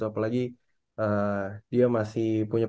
sama tiga dan enam